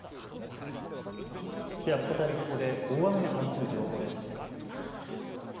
では再びここで大雨に関する情報です。